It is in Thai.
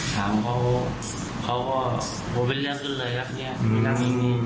ถามเขาเขาก็โปรเวลเลิกขึ้นเลยแล้ว